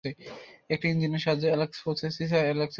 একটা ইঞ্জিনের সাহায্যেই অ্যালেক্সে পৌঁছেছি, স্যার।